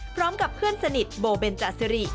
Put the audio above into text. พร้อมกับเพื่อนสนิทโบเบนจาสิริ